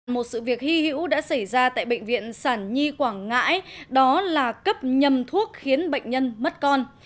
một sự việc hy hữu đã xảy ra tại bệnh viện sản nhi quảng ngãi đó là cấp nhầm thuốc khiến bệnh nhân mất con